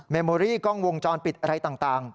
โมรี่กล้องวงจรปิดอะไรต่าง